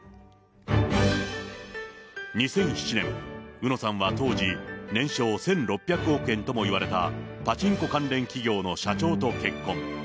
２００７年、うのさんは当時、年商１６００億円とも言われたパチンコ関連企業の社長と結婚。